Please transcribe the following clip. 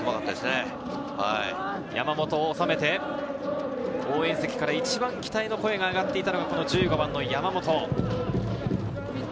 山本収めて、応援席から一番期待の声が上がっていたのが１５番の山本。